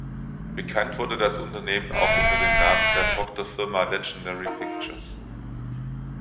Bekannt wurde das Unternehmen auch unter dem Namen der Tochterfirma Legendary Pictures.